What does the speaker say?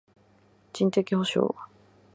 人的補償